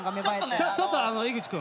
ちょっと井口君。